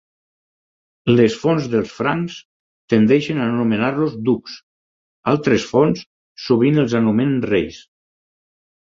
Les fonts dels francs tendeixen a anomenar-los ducs; altres fonts sovint els anomenen reis.